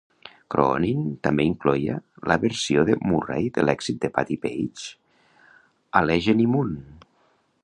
"Croonin" també incloïa la versió de Murray de l'èxit de Patti Page "Allegheny Moon".